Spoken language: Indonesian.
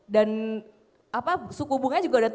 dan apa suku hubungannya juga